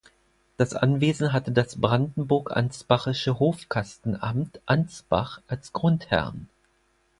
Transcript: Das Anwesen hatte das brandenburg-ansbachische Hofkastenamt Ansbach als Grundherrn.